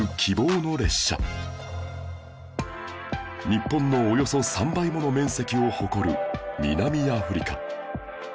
日本のおよそ３倍もの面積を誇る南アフリカ